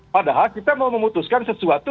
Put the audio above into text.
padahal kita mau memutuskan sesuatu